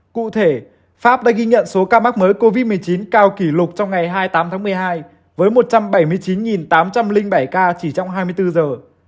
cụ thể pháp đã ghi nhận số ca mắc mới covid một mươi chín cao kỷ lục trong ngày hai mươi tám tháng một mươi hai với một trăm bảy mươi chín tám trăm linh bảy ca chỉ trong hai mươi bốn giờ